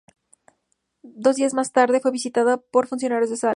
Dos días más tarde, fue visitada por funcionarios de Salem.